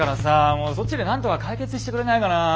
もうそっちでなんとか解決してくれないかなあ。